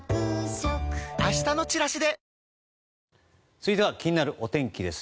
続いては気になるお天気です。